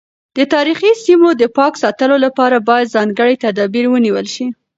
د تاریخي سیمو د پاک ساتلو لپاره باید ځانګړي تدابیر ونیول شي.